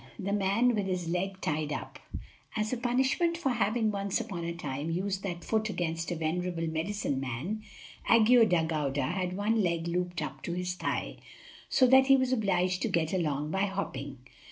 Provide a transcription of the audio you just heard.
THE MAN WITH HIS LEG TIED UP |AS a punishment for having once upon a time used that foot against a venerable medicine man, Aggo Dah Gauda had one leg looped up to his thigh, so that he was obliged to get along by hopping.